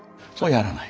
やらない。